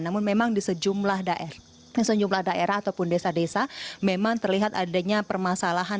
namun memang di sejumlah daerah ataupun desa desa memang terlihat adanya permasalahan